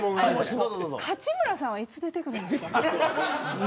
八村さんはいつ出てくるんですか。